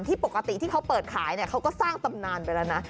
ปกติที่เขาเปิดขายเขาก็สร้างตำนานไปแล้วนะ